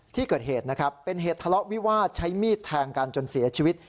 ที่เกิดเหตุนะครับเป็นเหตุทะเลาะวิวาสใช้มีดแทงกันจนเสียชีวิต